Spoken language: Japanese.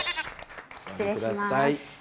失礼します。